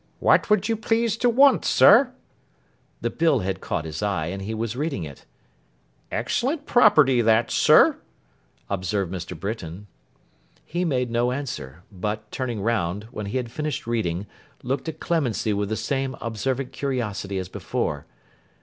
'What would you please to want, sir?' The bill had caught his eye, and he was reading it. 'Excellent property that, sir,' observed Mr. Britain. He made no answer; but, turning round, when he had finished reading, looked at Clemency with the same observant curiosity as before.